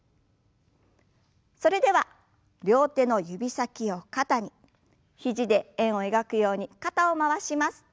それでは両手の指先を肩に肘で円を描くように肩を回します。